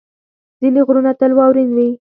ځینې غرونه تل واورین وي.